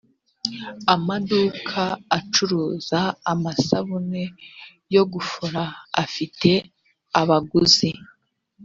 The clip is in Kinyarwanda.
amaduka acuruza amasabune yo gufura afite abaguzi